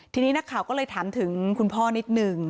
ทีนี้นักข่าวก็เลยถามถึงคุณพ่อนิดหนึ่ง